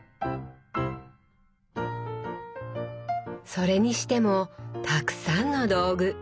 それにしてもたくさんの道具！